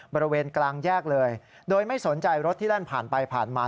บริเวณกลางแยกเลยโดยไม่สนใจรถที่แล่นผ่านไปผ่านมา